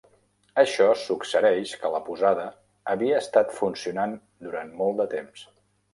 Això suggereix que la posada havia estat funcionant durant molt de temps.